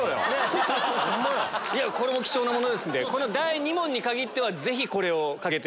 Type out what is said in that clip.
これも貴重なものですんで第２問に限ってはぜひこれを。